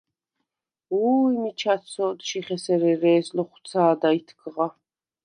–უ̄ჲ, მიჩა ცოდ, შიხ ესერ ერე̄ს ლოხუ̂ცა̄და ითქღა!